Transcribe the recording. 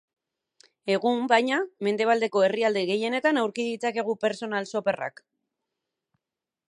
Egun, baina, mendebaldeko herrialde gehienetan aurki ditzakegu personal shopper-ak.